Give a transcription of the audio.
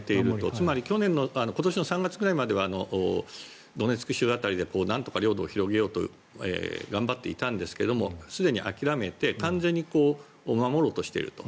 つまり今年３月ぐらいまではドネツク州辺りでなんとか領土を広げようと頑張っていたんですがすでに諦めて完全に守ろうとしていると。